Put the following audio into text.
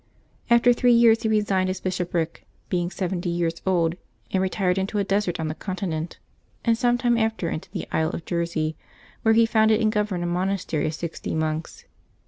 After three years he resigned his bishopric, being seventy years old, and retired into a desert on the continent, and some time after into the isle of Jersey, where he founded and governed a monastery of sixty monks.